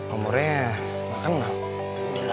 umurnya gak kenal